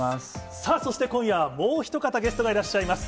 さあそして、今夜はもう一方、ゲストがいらっしゃいます。